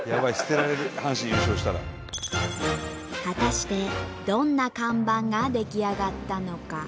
果たしてどんな看板が出来上がったのか？